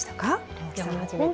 青木さん初めて。